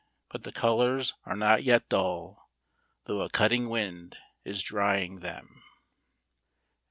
. but the colours are not yet dull, though a cutting wind is drying them.